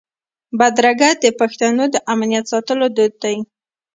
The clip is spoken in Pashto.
بدرګه د پښتنو د امنیت ساتلو دود دی.